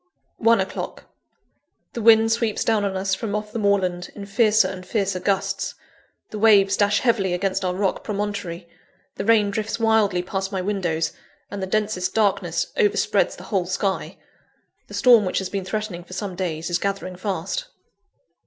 (1 o'clock.) The wind sweeps down on us, from off the moorland, in fiercer and fiercer gusts; the waves dash heavily against our rock promontory; the rain drifts wildly past my windows; and the densest darkness overspreads the whole sky. The storm which has been threatening for some days, is gathering fast.